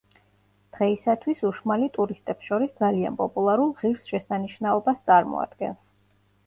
დღეისათვის უშმალი ტურისტებს შორის ძალიან პოპულარულ ღირსშესანიშნაობას წარმოადგენს.